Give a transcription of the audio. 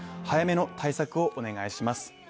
早梅の対策をお願いします。